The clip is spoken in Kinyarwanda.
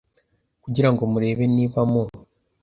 kugira ngo murebe niba mu